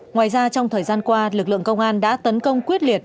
ngoài ra trong thời gian qua lực lượng công an đã tấn công quyết liệt